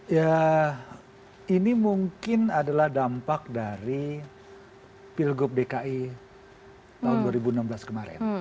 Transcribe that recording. ya ini mungkin adalah dampak dari pilgub dki tahun dua ribu enam belas kemarin